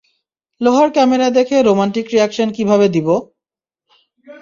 লোহার ক্যামেরা দেখে romantic reaction কিভাবে দিবো?